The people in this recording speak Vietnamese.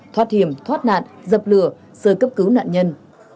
thoát hiểm thoát nạn dập lửa sơ cấp cứu nạn nhân